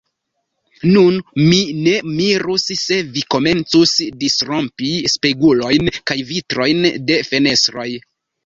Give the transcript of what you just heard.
Nun mi ne mirus, se vi komencus disrompi spegulojn kaj vitrojn de fenestroj.